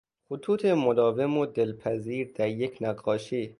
خطوط مداوم و دلپذیر در یک نقاشی